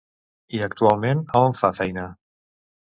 I actualment, a on fa feina?